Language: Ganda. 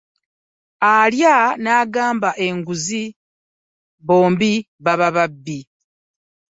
Alya n'agaba enguzi bombi baba babi.